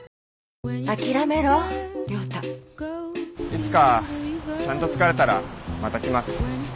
いつかちゃんと疲れたらまた来ます。